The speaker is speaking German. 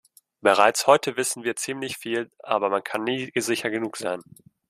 Bereits heute wissen wir ziemlich viel, aber man kann nie sicher genug sein.